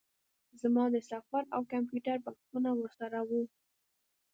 زما د سفر او کمپیوټر بکسونه ورسره وو.